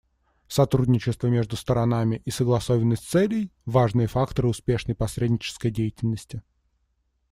Сотрудничество между сторонами и согласованность целей — важные факторы успешной посреднической деятельности.